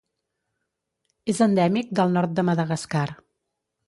És endèmic del nord de Madagascar.